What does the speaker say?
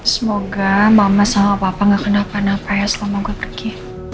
semoga mama sama papa gak kenakan apa ya selama gue pergi